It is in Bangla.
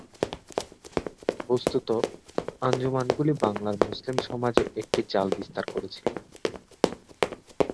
বস্ত্তত, আঞ্জুমানগুলি বাংলার মুসলিম সমাজে একটি জাল বিস্তার করেছিল।